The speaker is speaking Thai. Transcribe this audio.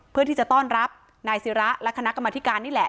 เพื่อที่จะต้อนรับนายศิระและคณะกรรมธิการนี่แหละ